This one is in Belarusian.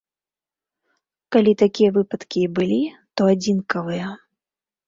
Калі такія выпадкі і былі, то адзінкавыя.